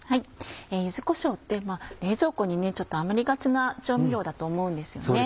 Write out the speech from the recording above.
柚子こしょうって冷蔵庫に余りがちな調味料だと思うんですよね。